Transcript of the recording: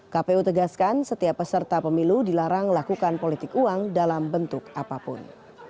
kpu tegaskan setiap peserta pemilu dilarang melakukan politik uang dalam bentuk apapun